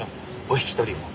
お引き取りを。